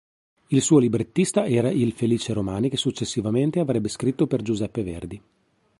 Il suo librettista era il Felice Romani che successivamente avrebbe scritto per Giuseppe Verdi.